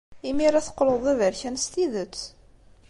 Imir-a teqqleḍ d aberkan s tidet.